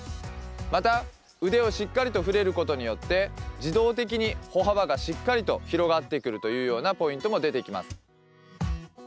また、腕をしっかりと振れることによって自動的に歩幅がしっかりと広がってくるというようなポイントも出てきます。